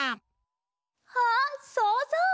あっそうぞう！